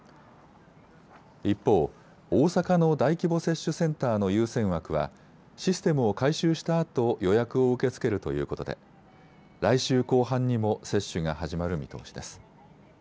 一方、大阪の大規模接種センターの優先枠はシステムを改修したあと予約を受け付けるということで来週後半にも接種が始まる見通しです。